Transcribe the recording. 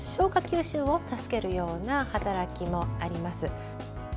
吸収を助けるような働きもあります。